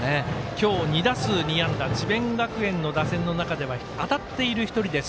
今日２打数２安打智弁学園の打線の中では当たっている１人です